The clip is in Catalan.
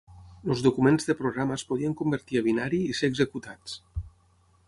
Els documents de programa es podien convertir a binari i ser executats.